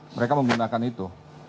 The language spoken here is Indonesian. mereka menggunakan itu